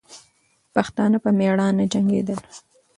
پښتانه په میړانه جنګېدل.